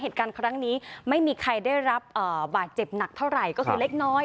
เหตุการณ์ครั้งนี้ไม่มีใครได้รับบาดเจ็บหนักเท่าไหร่ก็คือเล็กน้อย